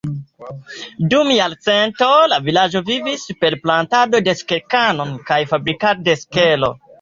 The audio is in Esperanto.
Dum jarcentoj, la vilaĝo vivis per plantado de sukerkano kaj fabrikado de sukero.